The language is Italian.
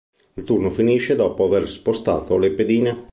Il turno finisce dopo aver spostato le pedine.